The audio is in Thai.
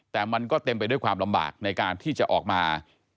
แต่มันก็เต็มไปด้วยความลำบากในการที่จะออกมา